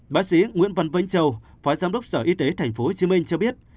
bác sĩ nguyễn văn vĩnh châu phó giám đốc sở y tế tp hcm cho biết